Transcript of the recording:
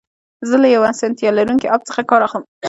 زه له یو اسانتیا لرونکي اپ څخه کار اخلم.